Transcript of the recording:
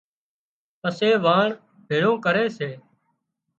پسي واڻ ڀيۯون ڪري سي